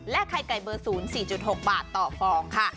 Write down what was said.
และไข่ไก่๐๔๖บาตตกซื้อกร